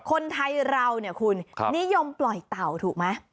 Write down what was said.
คนไทยเราเนี่ยคุณนิยมปล่อยเต่าถูกไหม